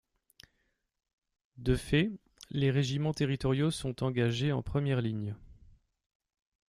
De fait, les régiments territoriaux sont engagés en première ligne.